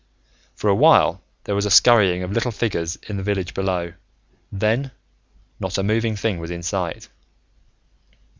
For a while, there was a scurrying of little figures in the village below. Then, not a moving thing was in sight.